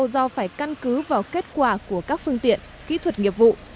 do phải căn cứ vào kết quả của các phương tiện kỹ thuật nghiệp vụ